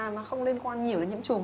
nó không liên quan nhiều đến nhiễm trùng